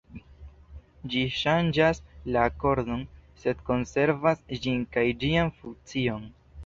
Ĝi ŝanĝas la akordon, sed konservas ĝin kaj ĝian funkcion.